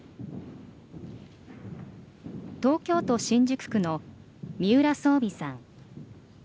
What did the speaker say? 東京都新宿区の三浦宗美さん